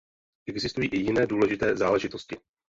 Existují i jiné důležité záležitosti.